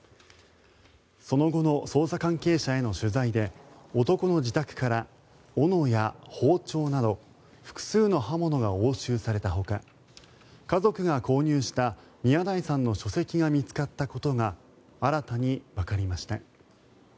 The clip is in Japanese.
その後の捜査関係者への取材で男の自宅から斧や包丁など複数の刃物が押収されたほか家族が購入した宮台さんの書籍が見つかったことが新たにわかりました。